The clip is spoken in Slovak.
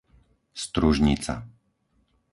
Stružnica